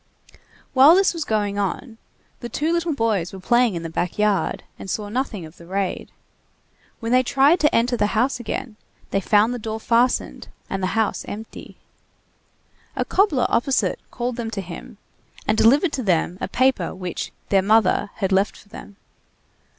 While this was going on, the two little boys were playing in the back yard, and saw nothing of the raid. When they tried to enter the house again, they found the door fastened and the house empty. A cobbler opposite called them to him, and delivered to them a paper which "their mother" had left for them.